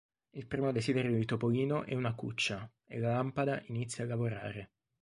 Il primo desiderio di Topolino è una cuccia, e la lampada inizia a lavorare.